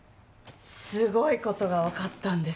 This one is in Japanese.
すごい事がわかったんです。